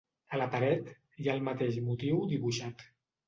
A la paret, hi ha el mateix motiu dibuixat.